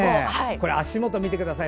足元を見てください。